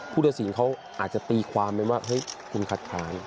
ผู้ตัดสินเขาอาจจะตีความไปว่าเฮ้ยคุณคัดค้าน